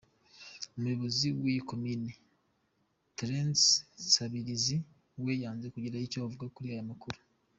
Umuyobozi w’iyi komini, Thérence Nsamirizi, we yanze kugira icyo avuga kuri aya makuru.